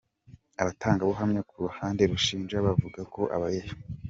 Abatangabuhamya ku ruhande rushinja bavuga ko abeshya.